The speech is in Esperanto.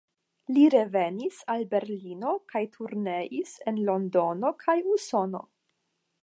Li revenis al Berlino kaj turneis en Londono kaj Usono.